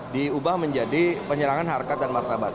diubah menjadi penyerangan harkat dan martabat